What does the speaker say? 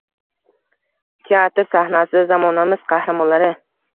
Teatr sahnasida zamonamiz qahramonlari